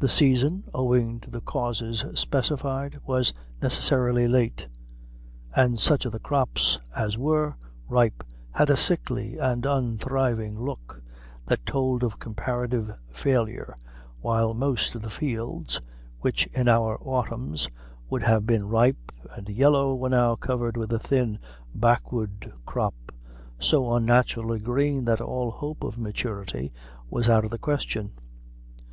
The season, owing to the causes specified, was necessarily late, and such of the crops as were, ripe had a sickly and unthriving look, that told of comparative failure, while most of the fields which, in our autumns, would have been ripe and yellow, were now covered with a thin, backward crop, so unnaturally green that all hope of maturity was out of the question.